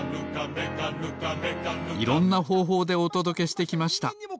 いろんなほうほうでおとどけしてきました。